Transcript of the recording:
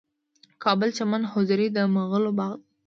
د کابل چمن حضوري د مغلو باغ دی